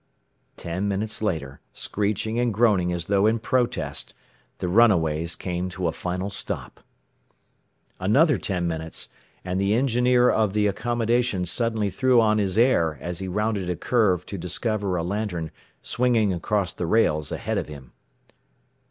Ten minutes later, screeching and groaning as though in protest, the runaways came to a final stop. Another ten minutes, and the engineer of the Accommodation suddenly threw on his air as he rounded a curve to discover a lantern swinging across the rails ahead of him.